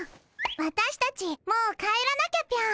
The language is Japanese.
わたしたちもう帰らなきゃぴょん。